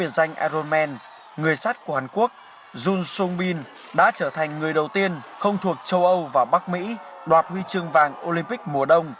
jun sung bin đã trở thành người đầu tiên không thuộc châu âu và bắc mỹ đoạt huy chương vàng olympic mùa đông